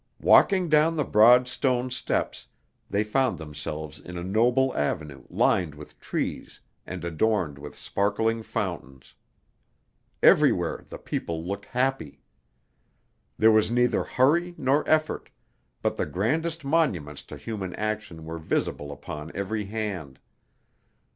Walking down the broad stone steps, they found themselves in a noble avenue lined with trees and adorned with sparkling fountains. Everywhere the people looked happy. There was neither hurry nor effort, but the grandest monuments to human action were visible upon every hand.